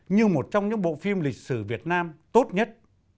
như một trong những bộ phim lịch sử việt nam tốt nhất